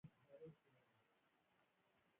ستاسو ځوان شعور د ستاینې او مننې وړ دی.